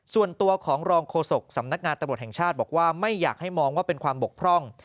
ส่วนตัวของรองโฆษกสำนักงานตำรวจแห่งชาติบอกว่าไม่อยากให้มองว่าเป็นความบกพร่อง